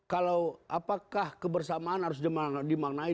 kalau apakah kebersamaan harus dimaknai